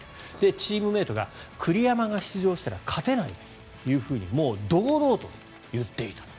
チームメートが栗山が出場したら勝てないともう堂々と言っていたと。